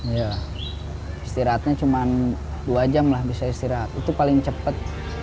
ya istirahatnya cuma dua jam lah bisa istirahat itu paling cepat